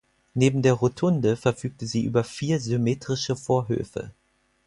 Neben der Rotunde verfügte sie über vier symmetrische Vorhöfe.